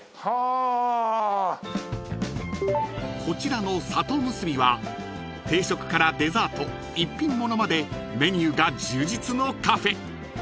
［こちらのさとむすびは定食からデザート一品ものまでメニューが充実のカフェ］